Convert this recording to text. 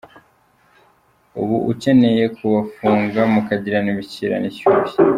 ubu ukeneye kubafunga mukagirana imishyikirano ishyushye.